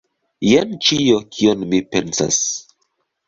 Jen ĉio, kion mi pensas.